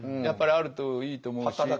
やっぱりあるといいと思うし。